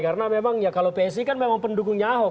karena memang kalau psi kan memang pendukungnya ahok